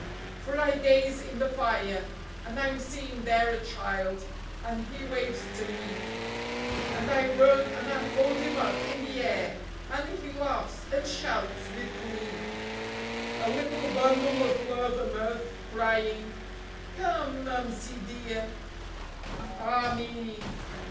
For I gaze in the fire, and I'm seeing there a child, and he waves to me; And I run and I hold him up in the air, and he laughs and shouts with glee; A little bundle of love and mirth, crying: "Come, Mumsie dear!" Ah me!